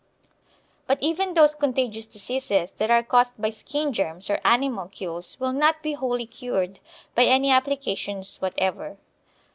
But even those contagious diseases that are caused by skin germs or animalcules will not be wholly cured by any applications whatever.